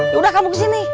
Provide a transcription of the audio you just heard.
yaudah kamu kesini